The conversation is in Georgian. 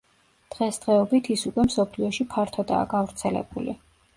დღესდღეობით ის უკვე მსოფლიოში ფართოდაა გავრცელებული.